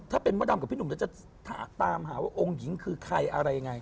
ถ้าเป็นมดดำกับพี่หนุ่มแล้วจะตามหาว่าองค์หญิงคือใครอะไรยังไง